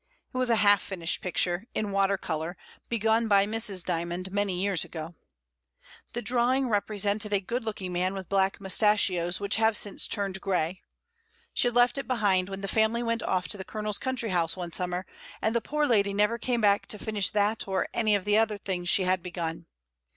It was a half finished picture, in water colour, begun by Mrs. Dymond many years ago. The drawing represented a good looking man EMPTY HOUSES. 1 1 with black moustachios which have since turned grey. She had left it behind when the family went off to the Colonel's country house one summer, and the poor lady never came back to finish that or any of the other things she had begun.